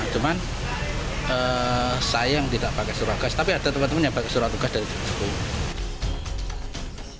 cuman sayang tidak pakai surat gas tapi ada teman teman yang pakai surat tugas dari jokowi